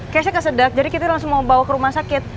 kayaknya kesedap jadi kita langsung mau bawa ke rumah sakit